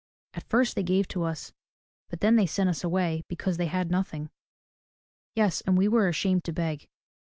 At first they gave to us, but then they sent us away because they had nothing. Yes, and we were ashamed to beg.